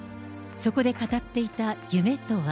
そこで語っていた夢とは。